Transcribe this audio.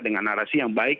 dengan narasi yang baik